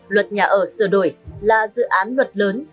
luật nhà ở sửa đổi là dự án